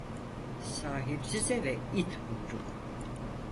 Sahipsiz eve it buyruk.